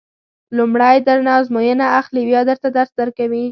لومړی درنه ازموینه اخلي بیا درته درس درکوي.